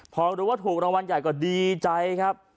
พอรู้ว่าถูกรางวัลใหญ่ก็ดีใจครับ